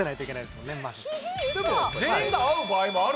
全員が合う場合もある。